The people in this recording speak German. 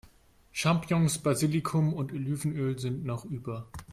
Champignons, Basilikum und Olivenöl sind noch über.